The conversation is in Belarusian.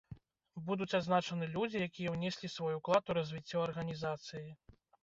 Будуць адзначаны людзі, якія ўнеслі свой уклад у развіццё арганізацыі.